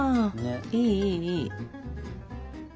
いいいいいい。